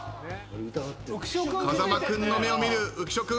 風間君の目を見る浮所君。